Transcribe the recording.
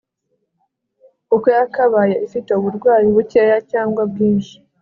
uko yakabaye ifite uburwayi bukeya cyangwa bwinshi